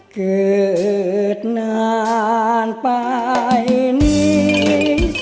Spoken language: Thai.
เกิดนานไปนี้